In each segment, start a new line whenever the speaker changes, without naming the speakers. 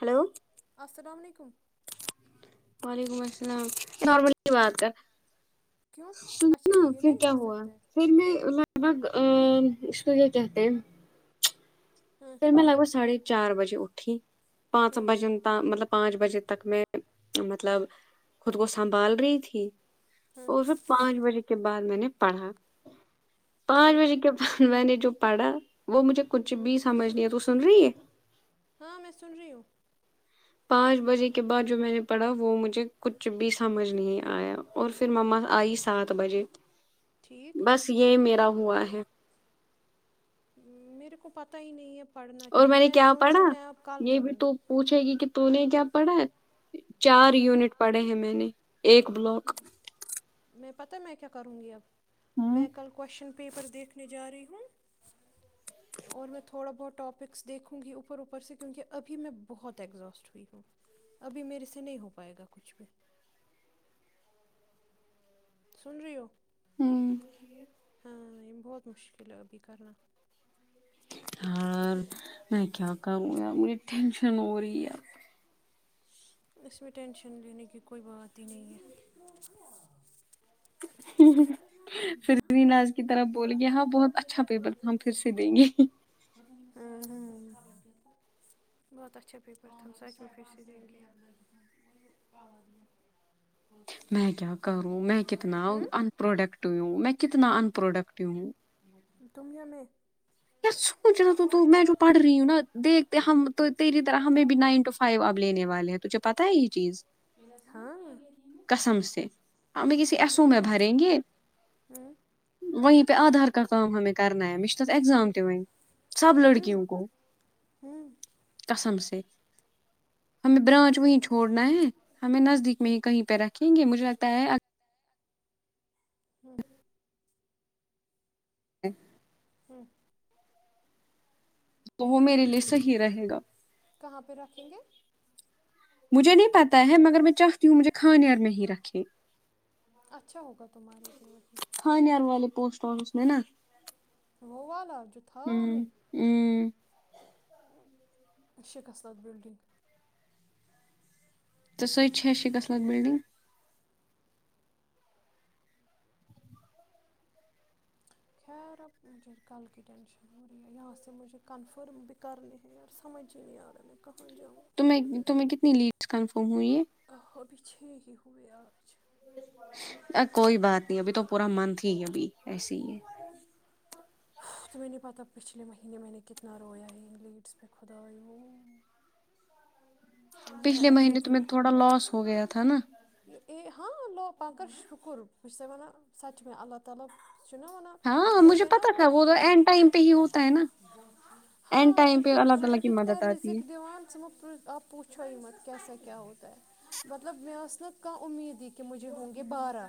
Hello
السلام علیکم
وعلیکم السلام نارمل کی بات ہے
کیوں
س
اچھا
نا
یہ
پھر
نہیں
کیا
ہو
ہوا
سکتا ہے
پھر میں لگ بھگ اس کو کیا کہتے ہیں
ہاں
پھر میں لگ با ساڑھے چار بجے اٹھی پانچ
ہاں
بجن ت مطلب پانچ بجے تک میں مطلب خود کو سنبھال رہی تھی
ہاں
وہ سب پانچ بجے کے بعد نے پڑھا پانچ
ٹھیک
بجے کے بٹ جو پڑا وہ مجھے کچھ بھی ت سن رہی ہے
ہاں میں سن رہی ہوں
پانچ بجے کے بعد جو میں نے پڑھا وہ مجھے کچھ بھی سمجھ نہیں آیا اور پھر مما آئی سات بجے
ٹھیک
بس یہ میرا ہوا ہے
میرے کو پتا ہی نہیں ہے پڑھنا
اور
ہے
میں نے کیا
سوچ
پڑھا
رہی ہوں میں اب کال
یہ بھی
کروں
تو
گی
پوچھے گی کہ توہ کیا پڑھا چار
ہاں
یونٹ پڑے ہیں میں نے ایک بلاک
میں پتہ میں کیا کروں گی اب
ہوں
میں کل کوشچن پیر دیکھنے جا رہی ہ اور میں تھوڑا بہت اکس دیکھوں گی اوپر اوپر سے کیونکہ ابھی میں بہت اگزاسٹ ہوئی ہوں ابھی میرے سے نہیں ہو پائے گا کچھ بھی سن رہی ہو
ہوں
ہاں بہت مشکل عبھی کرنا
یار میں کیا کروں ی مج ٹینشن اوری
اس میں ٹینشن لینے کی کوئی بات ہی نہیں ہے
فج کی طرف بول گیا ہاں بہت اچھا پیپر تھا ہم پھر سے دیں گے
باتس چپی پ سچ میں پھر س [unintelligible]
میں کیا کروں میں کتنا ان پروڈکٹو ہوں میں کتنا ان پرروڈکٹ ہوں
تمیا میں
سوچ رہا تو میں جو پڑھ رہی ہوں نا دیکھتے ہم تیری طرح ہم بھی نائن ٹو فائیو اب لینے والے ہیں تجھے پتہ ہے یہ چیز
ہاں
ہم میں کسی ایسو میں بھریں گے
ہوں
و وہ یہ پہ آدھار ک کا ہما میں کرنا م میں چ ت ایگزام ٹ میں سب
ہوں
لڑکیوں کو
ہوں
کسم سے ہمیں برانچ وہیں چھوڑنا ہے ہمیں نزدیک میں ہی کہیں پہ رکھیں گے مجھے رہتا ہے
ہوں
ج
ہوں
تو وہ میرے لیے صحیح رہے گا
کہاں پہ رکھیں گے
مجھے نہیں پتتا ہے مگر میں چاہتی ہوں مجھے کھانےر میں ہی رکھے
اچھا ہوگا تمہارے لیے وہی
تھانان آار والے پوسٹ آفس میں نا
وہ وال وال ح جو تھاؤ
ہوں
میں
ہوں
شکصلات بلڈنگ
تو سو ش ش گصلگ بلڈنگ
خیر آ مجھے کل کی ٹینشن ہو رہی ہے یہاں سے مجھے کنفرم ب کر نہیں ہیں ار سمج ہی نہیں ار ہے میں کہاں جا
ت تمیں کتنی لیڈ کف
آ ہابی چ ہی ہویا
ا کوئی بات نہیں ابھی تو پورا من ت ہی ابھی ایسے ہی ہے
تو میں نے پتہ پچھلے مہینے میں نے کتنا رویا ہے انگلڈس پہ خدا
پچھلے مہینے تو میں تھوڑا لاس ہو گیا تھا نا
ا ہاں لو پ کر شکر بچس ونان سو تچ م میں اللہ تالی ن و
ہاں
کات
مجھے
نا
پتا تھا وہ تو اینڈ ٹائم پہ ہی ہوتا ہے نا
وہ
اینڈ
ہاں
ٹائم پہ
س
اللہ تعالی
س
کی
تت
مدد
کن
آتی ہے
رزق د کاپ پچو مت کك کیا س کیا ہو تتہ مطلب میںے اس ن نہ کانہ امید ہی کہ مجھے ہونگ یہ بارا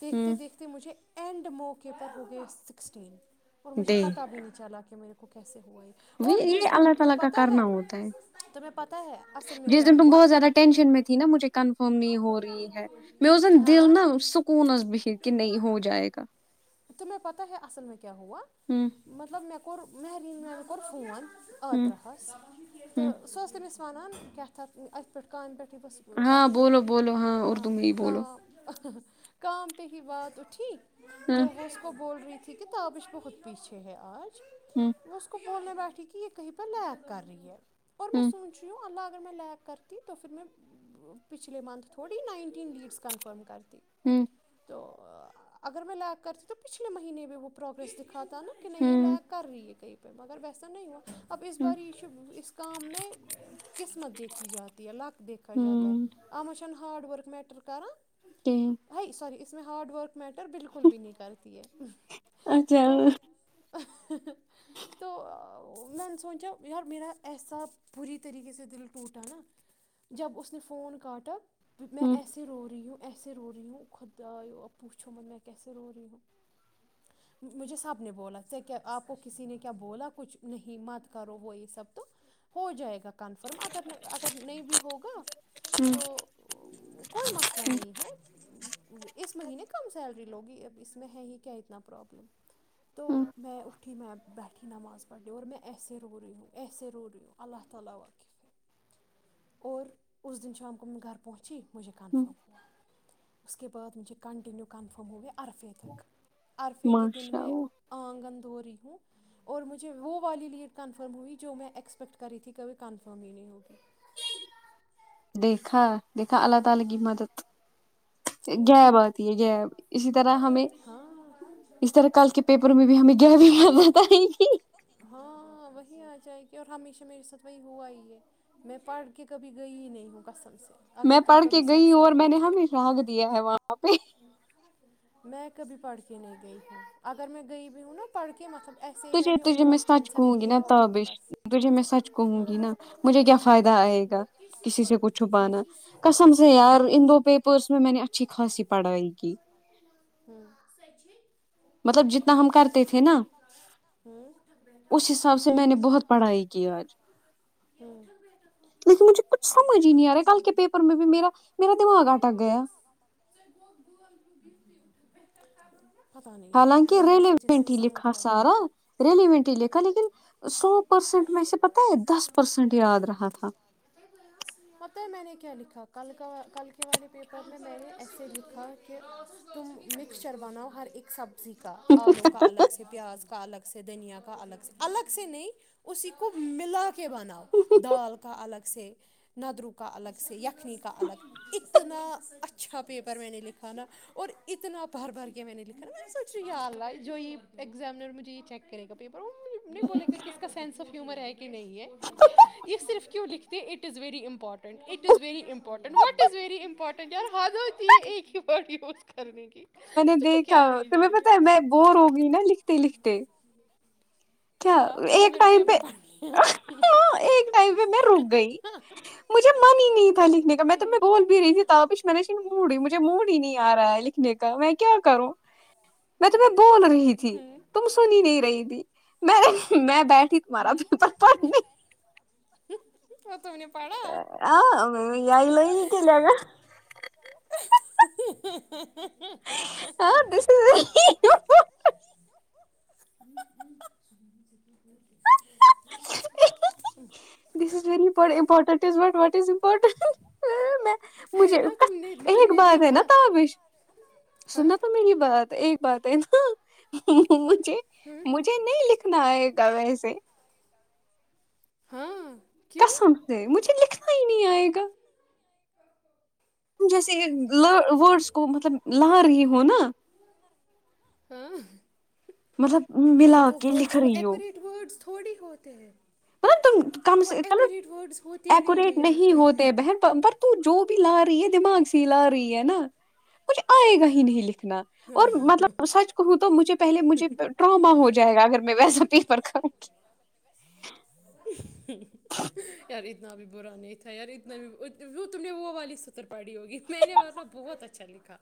دیکھتے
ہوں
دیکھتے مجھے اینڈ موقعے پر گیس سکسٹین اور مجھے
دے
پتا بھی نہیں چلا کہ میرے کیسے اور
یہ
جس دن
اللہ
تمہیں
تعالی کا
پتا
کرنا
ہے
ہوتا
تمیں
جس دن تم بہت زیادہ ٹینشن میں تھی نا مجھے کنفرم نہیں ہو رہی ہے میں اس دن دل
ہاں
نا سکون ب کہ نہیں ہو جائے گا
تمہیں پتا ہے اصل میں کیا ہوا
ہوں
مطلب میں کر مہرین مل کر فون
ہوں
اوترہس تو
ہوں
س وان کی ت تھا ات پ پر کان پ بس
ہاں
کات
بولو بولو
ہاں
اردو میں ہی
کا
بولو
کاتے ہی وات ٹھییک
ہاں
تو وہ اس کو بول رہی تھی ٹھیک ہے تو آابش بہت پیچھے ہے آج
ہوں
ن اس کو بولنے بیٹھی کی یہ کہیں پر لیک کر رہی ہے
ہوں
[unintelligible] تین لیوس کنفرم کرتی
ہوں
تو اگر میں لیک کرتی تو پچھلے مہینے میں وہ پروگریس دکھ کھا تھا ن کہ نہیں یہ لے
ہوں
کر رہی ہے کئی مگر ویسا نہیں یہ اب ا اس
ہوں
بار یہ چ اسس کا میں قسمت دیکھی جاتی ہے لق دیکھا جاتا ہے
ہوں
آ میںء ہارڈ ورک میٹر کر
ہاں
اس میں ہاڈ ورک میٹر بالکل بھی نہیں کرتی ہے
اچھا
تو
ہوں
تو میں نے سوچا یار میرا احساب پی طریقے سے دل ٹوٹا نا جب اس نے فون کاٹا میں
ہوں
ایسے رو رہی ہوں ایسے رو رہی ہوں خود آ پوچھو مت میں کیسے رو رہی ہوں مجھے سب نے بولا کیا آپ کو کسی نے کیا بولا کچھ نہیں مت کرو وہ یہ سب تو ہو جائے گا کنفرم اگر اگر نہیں بھی ہوگا تو کوئی مسئلہ نہیں ہے اس مہینے کم سیلری لوگی اب اس میں ہے ہی کیا اتنا پرابلم تو
ہوں
میں اٹھی میں بیٹھی نماز پڑھ رہیوں اور میں ایسے رو رہی ہوں ایسے رو رہی ہوں اور انسان کو میں گھر پہونچی استعمال کریں۔ مجھے
ہوں
کنفرم ہوا اس کے بعد مجھے کنٹنییو کنفرم ہو گیا عرفے تک عرفے کےے دن
ماشاء
میں
اللہ
آنگن ہو رہی ہوں اور مجھے وہ والی لیٹ کنفرم ہوئی جو میں ایکسپیکٹ کری تھی کبھی کنفرم ہی نہیں ہوگی
دیکھا دیکھا اللہ تعالی کی مدد غیب آتی ہے غیب اسی طرح ہمیں
ہاں
اس طرح کل کے پیپر میں بھی ہمیں غیبی مدد آئے گی
ہاں وہی آ جائے گ کہ اور ہمیشہ میرے ساتھ وہی ہوا ہی ہے میں پڑھ کے کبھی گئی ہی نہیں ہوں قسم سے
میں
اگر تم
پڑھ کے
کبھی
گئی
سچ
ہوں اور
سنو
میں نے
گے
ہمیشہ رگ دیا ہے وہاں اپنی
میں کبھی پڑھ کے نہیں گئی ہوں اگر میں گئی بھی ہوں نا پڑھ کے مطلب ایسے ہی
تجھے
نے
تجھے
اوور
میں
آل
سچ کہوں
کنسیپٹ
گی نا
لیا ہوگا
تابش
بس
تجھے میں سچ کہوں گی نا مجھے کیا فائدہ آئے گا کسی سے کو چھپانا کسم سے یار ان دو پیپرس میں میں نے اچھی خاصی پڑھا پڑھائی کی مطلب جتنا ہم کرتے تھے نا
ہوں
اس حساب سے میں نے بہت پڑھائی کی آج لیکن مجھے کچھ سمجھ ہی نہیں آ رہا کل کے پیپر میں بھی ما میرا دماغ اٹک گیا
[inaudible] یار
حالانکہ
دماغ کو جیسے
ریلیونٹ ہی
زنگ
لکھا
لگ گیا
سارا ریلیونٹ ہی لکھا لیکن سو پرسینٹ میں سے پتہ ہے دس پرسینٹ یاد رہا تھا
پتہ ہے میں نے لکھا کل کے والے پیپر میں نے ایسے لکھے ہاں کہ تم مکسچر بناؤ ہر ایک سب کا آلو کا الگ سے پیاز کا الگ سے دھنیا کا الگ سے الگ سے نہیں اسی کو ملا کے بناؤ دال کا الگ سے ندرو کا الگ سے یخنی کا الگ اتنا اچھا پیپر میں نے لکھا نا اور اتنا بار بار کیا میں نے لکھا م سچ یاد رہا ہے جو یہ ایگزامنر مجھے یہ چیک کرے گا پیپر وہ نہیں بولے گا کہ اس کا سینس آف ہیومر ہے کہ نہیں ہے یہ صرف کیوں لکھتے ہیں it is very important it is very important what is very important یار حادتی یہ ایک [inaudible]
میں نے
تجھے
دیکھا
کیا ہی
تمہیں
جائے
پتا ہے
گا
میں بور ہوگئی نا لکھتے لکھتے کیا
تم نے
ایک
میرا
ٹائم پہ
پیپر
ہ ایک ٹائم پہ میں رک گئی مجھے من ہی نہیں تھا لکھنے کا میں تو میں بول بھی رہی تھی تپش میں نے موڈئی مجھے موڈ ہی نہیں آ رہا ہے لکھنے کا میں کیا کروں میں تمہیں بول رہی تھی تم سنی نہیں رہی تھی میں میں بیٹھی تمہارا پپ پڑ نہیں
پڑھا تم نے پڑھا
آ ل ہی کیا ل گا
[unintelligible]
[unintelligible]
[unintelligible]
دس از ویری امپورٹنٹ [unintelligible] مجھے
ہے نا تم نے تم
ایک
نے
بات ہے نا
دیکھا
تش
ہاں
سننا تو میری بات ایک بات ہے نا مجھے نہیں لکھا ن گو سے
ہاں کیوں
کسم سے مجھے لکھنا ہی نہیں آئے گا جیسے وورڈس کو مطلب ل رہ ہو نا
ہاں
مطلب ملا
مطلب وہ
کے لکھ
ورڈس وہ
رہی ہو
ایکوریٹ ورڈس تھوڑی ہوتے ہیں
تم کم
وہ
سے کل
ایکوریٹ ورڈس ہوتے ہی ہے
ایکوریٹ نہیں
یار
ہوتے بہن پر تو جو بھی لا رہی ہے دماغ سے ہی لا رہی ہے نا مجھے آئے گا ہی نہیں لکھ نا اور مطلب سچ کہوں تو مجھے پہلے مجھے ٹراما ہو جائے گا اگر میں ویسا پیپر کھ
[inaudible] اری اتنا بھی برا نہیں تھا یار اتنا بھی وہ تم نے وہ والی ستر پڑی ہوگی میں نےن بہت اچھا لکھا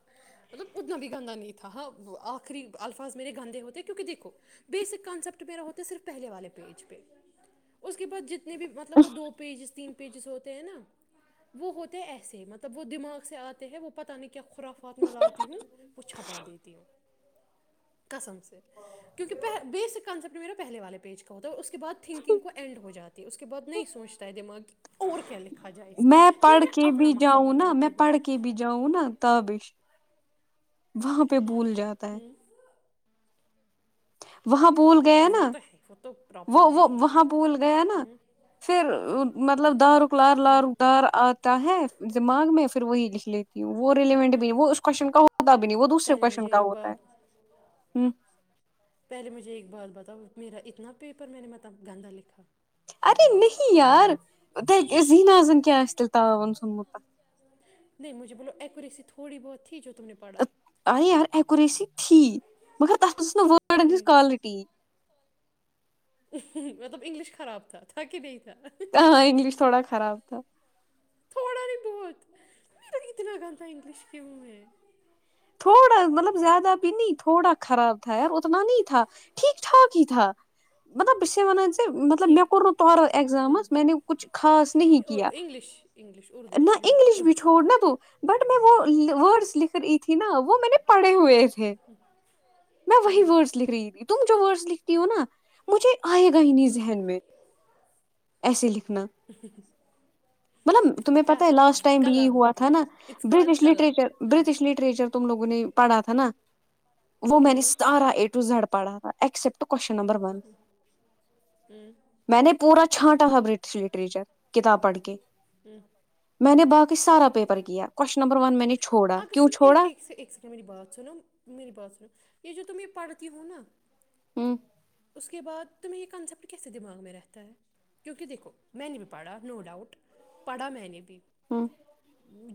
مطلب اتنا بھی گندا نہیں تھا آخری الفاظ میرے گندے ہوتے کیونکہ دیکھو بیسک کانسپٹ میرا ہوتا صرف پہلے والے پیج پہ اس کے بعد جت اتنے بھی مطلب وہ دو پیجز تین پیجز ہوتے ہیں نا وہ ہوتے ہیں ایسے مطلب وہ دماغ سے آتے ہیں وہ پتا نہیں کیا کیا خرافات میں لاتی ہوں وہ چھپا دیتی ہوں کسم سے کیونکہ بیسک کانسپٹ میرا پہلے والے پیج کا ہوتا ہے اس کے بعد ت اینڈ ہو جاتی ہے اس کے بعد نہیں سوچتا ہے دماغ اور کیا لکھا جائے اس میں پھر
پڑھ
میں
کے
اپنا
بھی
مسہ
جاؤں نا میں
کرتی ہوں
پڑھ کے بھی جاؤں نا تابش وہاں پہ بھول جاتا ہے وہاں پول گیا
وہ
نا
تو ہے وہ تو پرابلم
وہ
ہے
وہ
ہی ہے
وہاں پول گیا نا پھر مطلب دارک لار لارکتار آتا ہے دماغ میں پھر وہی لکھ لیتی وہ ریلیونٹ بھی نہیں وہ اس کوشچن کا ہوتا بھی نہیں وہ دوسرے
پہلے
کوشچن
مجھے
کا
ایک
ہوتا
بات
ہے ہ
پہلے مجھے ایک بات بتا میرا اتنا پیپر میں نے متب گندا لکھا
ارے نہیں یار ذہناظن کی آ تیل تعاون سثونمت
جھے بولو ایکوریسی تھوڑی بہت ت جو تم نے پڑا
ریسی ت مگر ت [unintelligible] بس وڈ ہچ
ہوں
کالٹی [unintelligible]
مطلب انگلش خراب تھا تھا کہ نہیں تھا
ہاں انگلش تھوڑا خراب تھا
تھوڑا نہیں بہت میر اتنا گند تھا انگلش کیوں ہے
تھوڑا مطلب زیادہ بھی نہیں تھوڑا خراب تھا یار اتنا نہیں تھا ٹھیک ٹھاک ہی تھا مطلب اسے منا مطلب م
ٹھیک
کور
ٹھیک
ن ت
ہوں
اگزامس میں نے کچھ خاص نہیں ک ن
انگلش انگلش اردو
نہ
اردو
انگلش
بولو
بھی چھوڑ ن تو بٹ میں وہورڈس لکھ کر تھی نا وہ میں نے پڑے ہوئے ہے میں وہی
ہوں
ورڈس لکھ رہی تھی تم جو ورڈس لکھتی ہو نا مجھے آئے گا انہیں ذہن میں ایسے لکھنا مطلب تمہیں
دیکھا
پتا ہے لاسٹ ٹائم بھی
کلا
یہی ہوا
ہوتی
تھا
ہے
نا
اٹس کالڈ
برٹش
کلا
لٹریچر
ہاں
برٹش لٹریچر تم لوگوں نے پڑا تھا نا وہ میں نے
ہوں
ستارا اے ٹو زڈ پڑا ایکسپٹ کوشچن نمبر ون میں نے پورا چھانٹا تھا برٹش لٹریچر کتاب پڑھ کے میں نے
ہوں
باقی سارا پیپر کیا گیا [inaudible]
اگر س ایک سیکنڈ میری بات سنو میری بات سنو یہ جو تم یہ پڑھت ہی ہوں نا
ہوں [unintelligible]
اس کے بعد تمہیں یہ کنسیپٹ کیسے دماغ میں رہتا ہے کیونکہ دیکھو میں نے بھی پڑھا نو ڈاؤٹ پڑھا میں نے بھی
ہوں [unintelligible]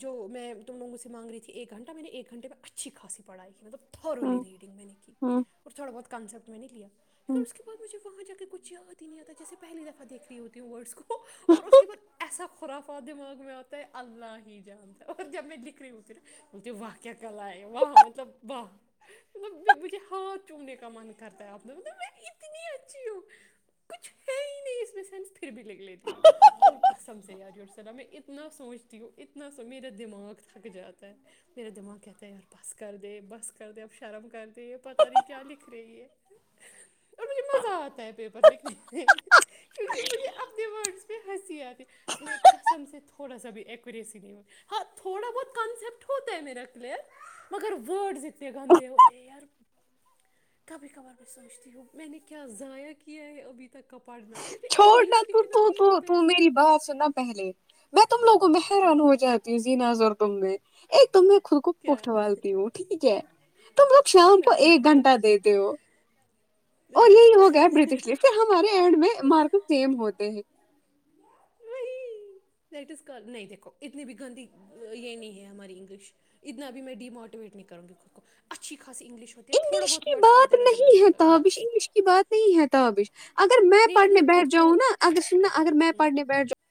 جو [unintelligible] میں تم لوگوں سے مانگ رہی تھی ایک گھٹہ میں نے ایک گھنے میں اچھی خای پڑھائی ہے مطلب تھرولی
ہوں
ریڈنگ میں نے کی
ہوں
اور تھوڑا بہت کانسپٹ میں نے لیا پ
ہوں
اس کے بعد مجھے [unintelligible] وہاں جا کے کچھ یاد ہی نہیں آتا جسے پہلیفع دیکھ رہ ہوتیوں ورڈس کو اور اس کے بعد ایسا ہو خرافا دماغ میںتے اللہ ہی جاند اور جب میں لکھ رہی ہوںر مے واہ کیا کل ہے واہ مطلب واہ مب مجھے ہاتھ چومنے کا من کرتا ہے آپ نے مب اتنی اچھی ہوں کچھ ہے ہی نہیں اس میں سین پھر بھی لکھ لیتی ہوں اور کسم سے یاری میں اتنا سوچتی ہوں اتنا سمیر دماغ تھک جات میرا دماغ کہتا ہے یار بس کر دے بس [unintelligible] کرتے اب شرم کرتے پتا نہیں کیا لکھ رہی ہے اور مجھے مزہ آتا ہے پیپر لکھنے میں کیونکہ مجھے اپنےورڈ پہ ہنسی آ ہے میں کسم سے تھوڑا سا بھی ایکوریسی نہیں [unintelligible] ہاں تھوڑا بہت کنسپٹ ہوتا ہے میرا کلیئر مگر ورڈز اتنے گندے ہوتے ہیں یار کبھی کبار میں سوچتی ہوں میں نے کیا ضائع کیا ہے ابھی تک [unintelligible] مجھے
چھوڑنا
انگلش لکھنا
تو
نہیں آتا
تو
ایسے
میری
ہوں
بات سننا پہلے میں تم لوگوں میں [unintelligible] حیران ہو جاتی ہوں زینز [unintelligible] گ ایک [unintelligible] میں خود کو
کیا
پٹوالتی ہوں ٹھیک ہے تم لوگ شام کو ایک گھنٹہ دیتے ہو اور یہی ہو گیا برٹش لی پھر ہمارے اینڈ میں [unintelligible] مارک سیم ہوتے ہیں [unintelligible]
وہی دٹ از کال نہیں دیکھو اتنی بھی گندی یہ نہیں ہے ہماری انگلش اتنا بھی میں ڈیموٹیویٹ نہیں کروں گی خود کو اچھی [unintelligible] ہوتی ہے تھوڑا
انگلش
بہت
کی
ورڈس کو
بات
ادھر ادھر ہو
نہیں ہے
جاتا
تابش
بس
انگلش کی بات نہیں ہے تابش [unintelligible] اگر میں
نہیں یار
پڑھنے بیٹھ
خود
جاؤں
کو
نا اگر سننا اگر میں پڑھنے بیٹھ جاؤں [unintelligible]